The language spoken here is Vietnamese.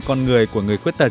con người của người khuyết thật